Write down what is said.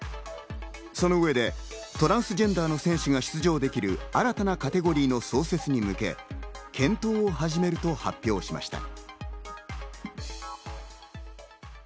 その上でトランスジェンダーの選手が出場できる新たなカテゴリーの創設に向け、検討を始めると発表しました。